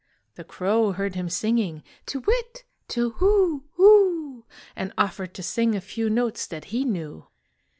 The crow heard him singing "To whit! To whoo, hoo!" And offered to sing A few notes that he knew.